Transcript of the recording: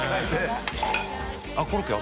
△コロッケあ